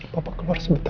kau lady juga sangat